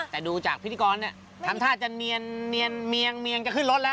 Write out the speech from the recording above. แต่ดูจากพิธีกรทำท่าจะเนียนจะขึ้นรถแล้ว